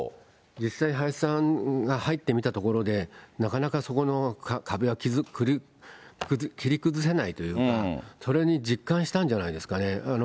実際、林さんが入ってみたところで、なかなかそこの壁は切り崩せないというか、それを実感したんじゃないですかね。